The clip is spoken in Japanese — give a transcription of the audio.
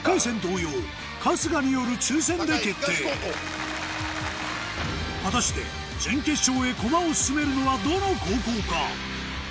同様果たして準決勝へ駒を進めるのはどの高校か？